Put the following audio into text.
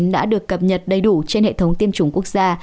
đã được cập nhật đầy đủ trên hệ thống tiêm chủng quốc gia